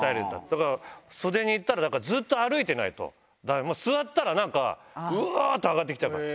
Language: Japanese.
だから、袖に行ったら、ずっと歩いてないと、だから座ったら、なんか、うわーってあがってきちゃうから。